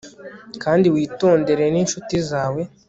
kandi witondere n'incuti zawe